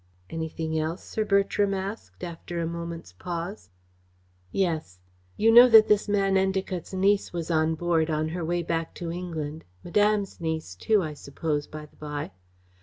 "Anything else?" Sir Bertram asked, after a moment's pause. "Yes. You know that this man Endacott's niece was on board on her way back to England Madame's niece, too, I suppose, by the by.